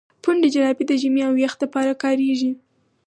پنډي جراپي د ژمي او يخ د پاره کاريږي.